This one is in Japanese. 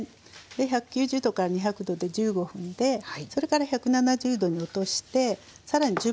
１９０℃から２００℃で１５分でそれから１７０℃に落としてさらに１０分焼きます。